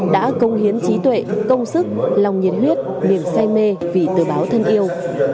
đã công hiến trí tuệ công sức lòng nhiệt huyết niềm say mê vì tờ báo thân yêu